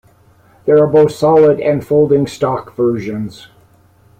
There are both solid and folding stock versions.